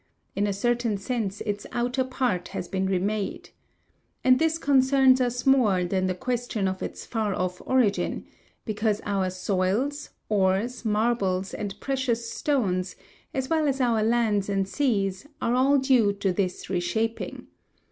In a certain sense its outer part has been remade. And this concerns us more than the question of its far off origin, because our soils, ores, marbles, and precious stones, as well as our lands and seas, are all due to this reshaping.